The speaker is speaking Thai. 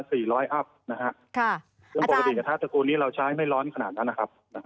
ซึ่งปกติกระทะตระกูลนี้เราใช้ไม่ร้อนขนาดนั้นนะครับ